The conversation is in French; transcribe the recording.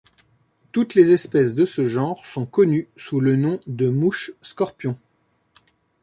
Toutes les espèces de ce genre sont connues sous le nom de mouches scorpions.